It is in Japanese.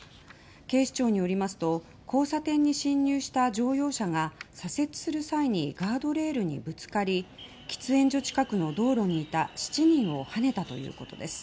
警視庁によりますと交差点に進入した乗用車が左折する際にガードレールにぶつかり喫煙所近くの道路にいた７人をはねたということです。